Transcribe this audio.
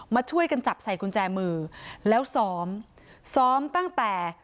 มาช่วยกันจับใส่กุญแจมือแล้วซ้อมซ้อมตั้งแต่